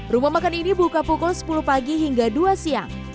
rumah makan ini buka pukul sepuluh pagi hingga dua siang